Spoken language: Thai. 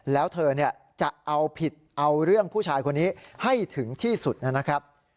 แล้วเธอจะเอาผิดเอาเรื่องผู้ชายคนนี้ให้ถึงที่สุดนะครับ